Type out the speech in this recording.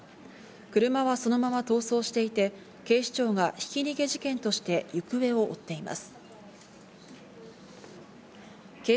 車はそのまま逃走していて、警視庁がひき逃げ事件として行方を追っています。